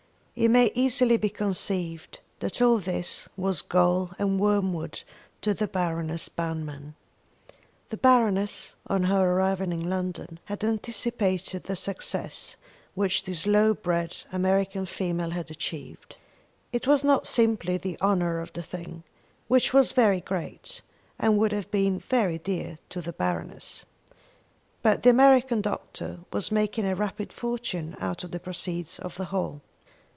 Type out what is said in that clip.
It may easily be conceived that all this was gall and wormwood to the Baroness Banmann. The Baroness, on her arrival in London, had anticipated the success which this low bred American female had achieved. It was not simply the honour of the thing, which was very great and would have been very dear to the Baroness, but the American Doctor was making a rapid fortune out of the proceeds of the hall.